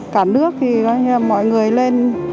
cả nước thì nói như là mọi người lên